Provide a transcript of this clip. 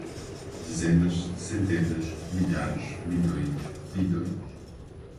dezenas, centenas, milhares, milhões, bilhões.